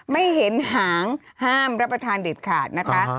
ไม่เห็นหางห้ามรับประทานเด็ดขาดนะคะ